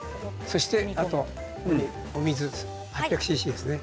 あと、お水８００ｃｃですね。